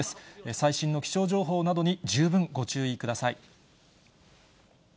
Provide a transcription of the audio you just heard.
最新の気象情報などに十分ご注意ください。